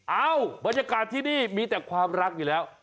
เอาหมู้ชาการที่นี่มีแต่ความรักอยู่แล้ว